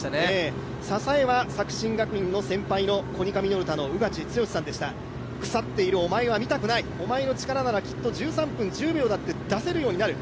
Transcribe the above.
支えは作新学院の先輩のコニカミノルタの宇賀地強さんでした、腐っているお前は見たくないお前の力なら１３分１０秒だって出せるようになる。